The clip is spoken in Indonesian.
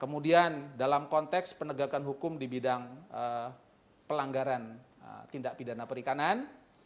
kemudian dalam konteks penegakan hukum di bidang pelanggaran tindak pidana perikanan